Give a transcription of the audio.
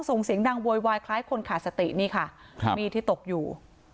ส่งเสียงดังโวยวายคล้ายคนขาดสตินี่ค่ะครับมีดที่ตกอยู่